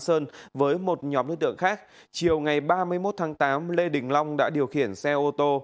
sơn với một nhóm đối tượng khác chiều ngày ba mươi một tháng tám lê đình long đã điều khiển xe ô tô